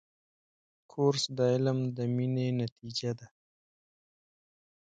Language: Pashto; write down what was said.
کورس د علم د مینې نتیجه ده.